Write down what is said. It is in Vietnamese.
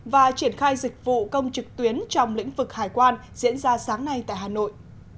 và triển khai dịch vụ công trực tuyến trong lĩnh vực hải quan diễn ra sáng nay tại hà nội